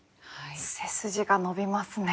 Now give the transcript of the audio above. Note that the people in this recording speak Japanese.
背筋が伸びますね。